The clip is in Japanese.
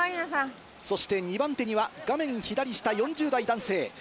そして２番手には画面左下４０代男性。